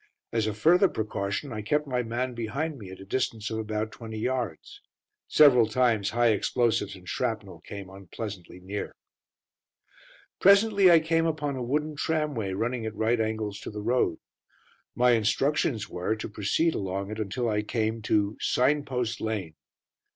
As a further precaution, I kept my man behind me at a distance of about twenty yards. Several times high explosives and shrapnel came unpleasantly near. Presently I came upon a wooden tramway running at right angles to the road. My instructions were to proceed along it until I came to "Signpost Lane."